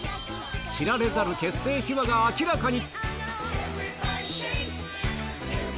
知られざる結成秘話が明らかに。